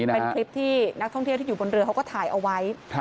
เป็นคลิปที่นักท่องเที่ยวที่อยู่บนเรือเขาก็ถ่ายเอาไว้